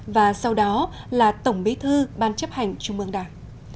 và sau đó là tổng bí thư ban chấp hành trung ương đảng